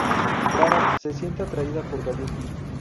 Tara se siente atraída por Gavin.